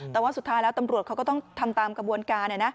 แต่ว่าสุดท้ายแล้วตำรวจเขาก็ต้องทำตามกระบวนการ